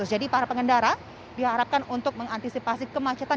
jadi para pengendara diharapkan untuk mengantisipasi kemacetan